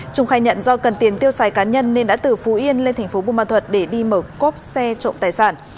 trung khai nhận do cần tiền tiêu xài cá nhân nên đã từ phú yên lên tp bùa mã thuật để đi mở cốp xe trộm tài sản